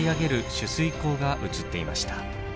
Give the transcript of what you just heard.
取水口が写っていました。